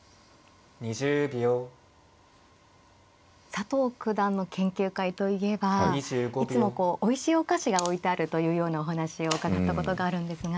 佐藤九段の研究会といえばいつもこうおいしいお菓子が置いてあるというようなお話を伺ったことがあるんですが。